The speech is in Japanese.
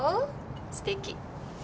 すてき。